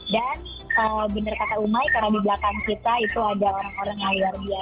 dan benar kata umai karena di belakang kita itu ada orang orang yang luar biasa